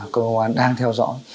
cơ quan đang theo dõi